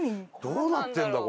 どうなってんだ？